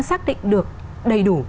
xác định được đầy đủ